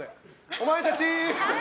お前たち！